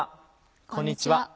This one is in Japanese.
こんにちは。